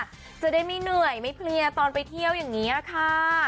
จะได้ไม่เหนื่อยไม่เพลียตอนไปเที่ยวอย่างนี้ค่ะ